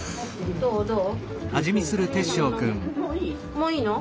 もういいの？